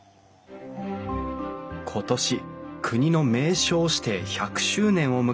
今年国の名勝指定１００周年を迎えた妙義山。